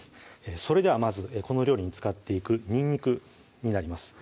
それではこの料理に使っていくにんにくになります